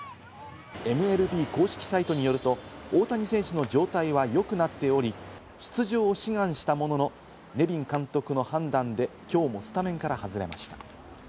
ＭＬＢ公式サイトによると、大谷選手の状態はよくなっており、出場を志願したものの、ネビン監督の判断できょうもスタメンから外れました。